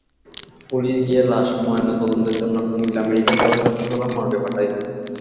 Police গিয়ে লাশ ময়নাতদন্তের জন্য কুমিল্লা মেডিকেল কলেজ হাসপাতালের মর্গে পাঠায়।